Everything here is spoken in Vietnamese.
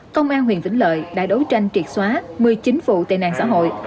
công an huyện vĩnh lợi đã đấu tranh triệt xóa một mươi chín vụ tên nạn xã hội